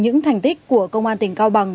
những thành tích của công an tỉnh cao bằng